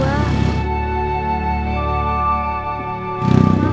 maaf ya pendingan